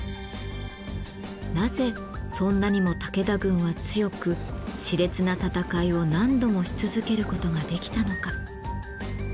なぜそんなにも武田軍は強く熾烈な戦いを何度もし続けることができたのか？